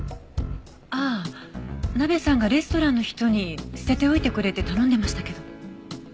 ああナベさんがレストランの人に捨てておいてくれって頼んでましたけど。